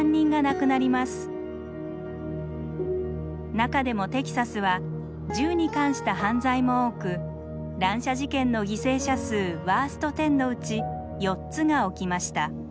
中でもテキサスは銃に関した犯罪も多く乱射事件の犠牲者数ワースト１０のうち４つが起きました。